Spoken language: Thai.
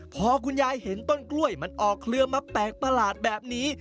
พอคุณยายเห็นต้นกล้วยมันออกเคลือมาแปลกประหลาดแบบนี้